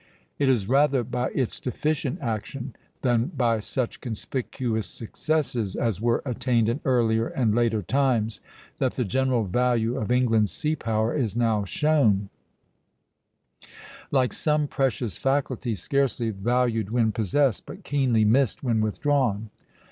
It is rather by its deficient action, than by such conspicuous successes as were attained in earlier and later times, that the general value of England's sea power is now shown; like some precious faculty, scarcely valued when possessed, but keenly missed when withdrawn.